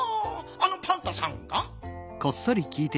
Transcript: あのパンタさんが？